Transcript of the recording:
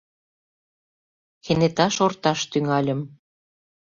Кенета шорташ тӱҥальым.